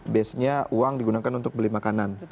biasanya uang digunakan untuk beli makanan